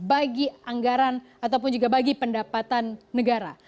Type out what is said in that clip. bagi anggaran ataupun juga bagi pendapatan negara